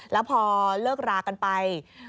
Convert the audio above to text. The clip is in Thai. แล้วพอเลิกรากันไป